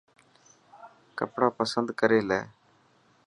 ڪپڙا پسند ڪري لي.